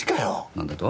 何だと？